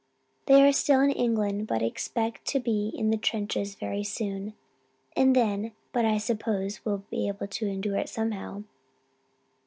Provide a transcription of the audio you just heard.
They are still in England but expect to be in the trenches very soon. And then but I suppose we'll be able to endure it somehow.